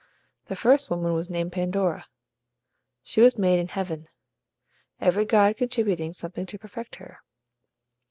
The first woman was named Pandora. She was made in heaven, every god contributing something to perfect her.